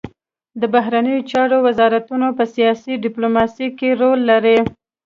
د بهرنیو چارو وزارتونه په سیاسي ډیپلوماسي کې رول لري